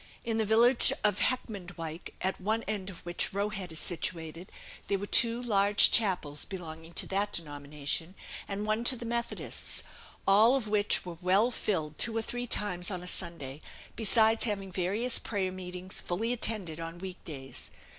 In the village of Heckmondwike, at one end of which Roe Head is situated, there were two large chapels belonging to that denomination, and one to the Methodists, all of which were well filled two or three times on a Sunday, besides having various prayer meetings, fully attended, on week days.